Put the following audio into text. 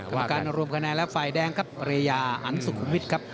กรรมการรวมคะแนนและไฟแดงครับเรยาอันสุคุมิตครับ